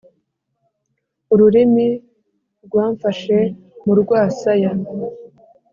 ururimi rwamfashe mu rwasaya.